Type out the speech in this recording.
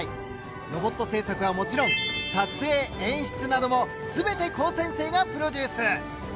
ロボット製作はもちろん撮影演出なども全て高専生がプロデュース。